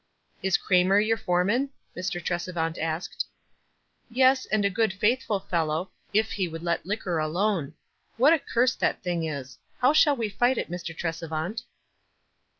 "Is Cramer your foreman?" Mr. Tresevant asked. "Yes, and a <K>od iaithful fellow, if he would let liquor alone. What a curse that thing is. How shall we fight it, Mr. Tresevant?"